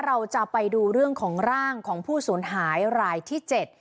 เราจะไปดูเรื่องของร่างของผู้สูญหายรายที่เจ็ด